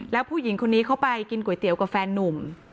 แล้วผู้หญิงคนนี้เขาไปกินก๋วยเตี๋ยวกับแฟนนุ่ม